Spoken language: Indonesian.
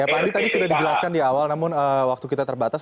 ya pak andi tadi sudah dijelaskan di awal namun waktu kita terbatas